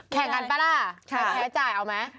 แข่งกันป่ะล่ะไม่แพ้จ่ายเอาไหม